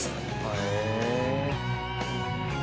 へえ。